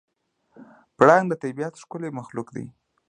پړانګ د طبیعت ښکلی مخلوق دی.